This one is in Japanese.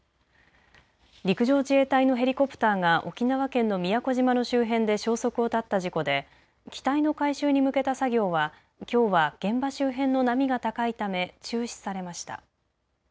陸上自衛隊のヘリコプターが沖縄県の宮古島の周辺で消息を絶った事故で機体の回収に向けた作業はきょうは現場周辺の波が高いため中止されました。